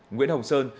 nguyễn hồng sơn